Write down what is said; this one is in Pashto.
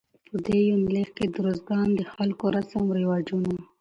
په دې يونليک کې د روزګان د خلکو رسم رواجونه